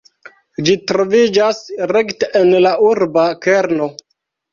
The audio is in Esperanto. Ĝi troviĝas rekte en la urba kerno.